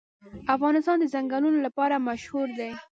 افغانستان د ځنګلونه لپاره مشهور دی.